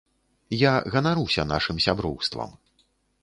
Я ганаруся нашым сяброўствам.